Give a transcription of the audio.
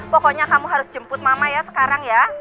pokoknya kamu harus jemput mama ya sekarang ya